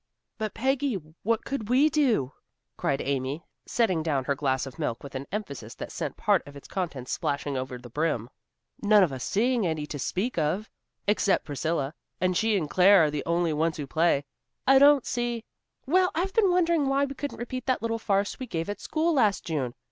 "But, Peggy, what could we do?" cried Amy, setting down her glass of milk with an emphasis that sent part of its contents splashing over the brim. "None of us sing any to speak of, except Priscilla, and she and Claire are the only ones who play. I don't see " "Well, I've been wondering why we couldn't repeat that little farce we gave at school last June.